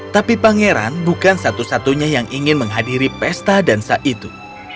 tapi pangeran bukan satu satunya yang ingin menghadiri pesta dansa itu